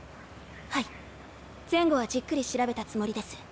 はい前後はじっくり調べたつもりです。